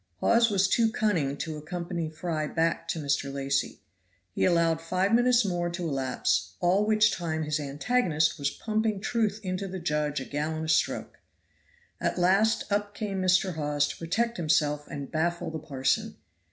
Hawes was too cunning to accompany Fry back to Mr. Lacy. He allowed five minutes more to elapse all which time his antagonist was pumping truth into the judge a gallon a stroke. At last up came Mr. Hawes to protect himself and baffle the parson.